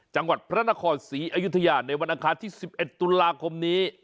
จังหวัดพระนครศรีอยุธยาในวันอังคารที่๑๑ตุลาคมนี้